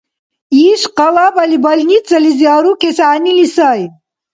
Иш къалабали больницализи арукес гӀягӀнили сай